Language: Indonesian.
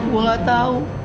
gue gak tau